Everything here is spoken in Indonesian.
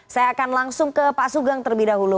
saya akan langsung ke pak sugeng terlebih dahulu